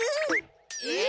えっ？